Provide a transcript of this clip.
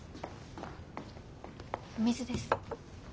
お水です。